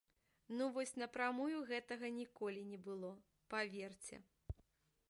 Ну вось напрамую гэтага ніколі не было, паверце!